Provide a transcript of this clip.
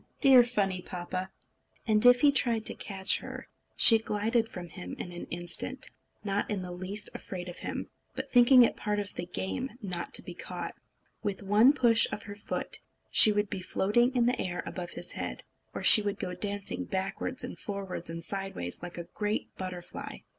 Dear, funny papa!" And if he tried to catch her, she glided from him in an instant, not in the least afraid of him, but thinking it part of the game not to be caught. With one push of her foot, she would be floating in the air above his head; or she would go dancing backwards and forwards and sideways, like a great butterfly.